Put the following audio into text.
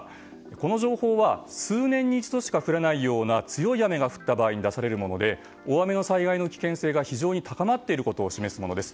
この情報は数年に一度しか降らないような強い雨が降った場合に出されるもので大雨の災害の危険性が非常に高まっていることを示すものです。